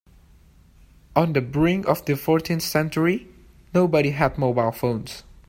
On the brink of the fourteenth century, nobody had mobile phones.